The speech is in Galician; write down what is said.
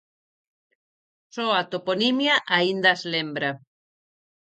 Só a toponimia aínda as lembra.